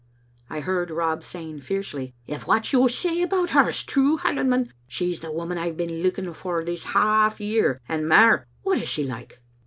I heard Rob saying, fiercely,* If what you say about her is true, Highlandman, she's the woman I've been look ing for this half year and mair; what is she like?'